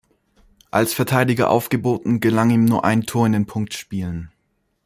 Als Verteidiger aufgeboten, gelang ihm nur ein Tor in den Punktspielen.